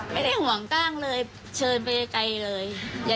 ไม่ได้ห่วงกล้างเลยเชิญไปไกลเลย